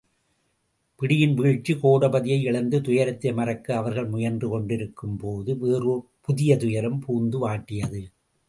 பிடியின் வீழ்ச்சி கோடபதியை இழந்த துயரத்தை மறக்க அவர்கள் முயன்று கொண்டிருக்கும்போது வேறோர் புதிய துயரம் புகுந்து வாட்டியது.